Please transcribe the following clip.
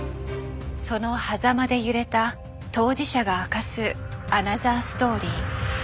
そのはざまで揺れた当事者が明かすアナザーストーリー。